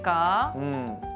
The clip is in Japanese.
うん。